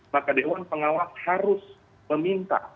maka dewan pengawas harus meminta